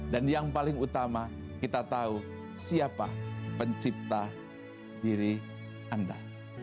dan yang paling utama kita tahu siapa pencipta diri anda